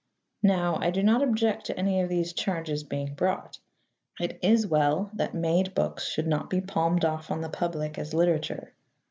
Now, I do not object to any of these charges being brought. It is well that "made" books should not be palmed off on the public as literature.